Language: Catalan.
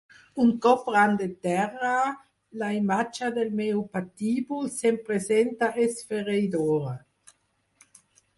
Un cop ran de terra, la imatge del meu patíbul se'm presenta esfereïdora.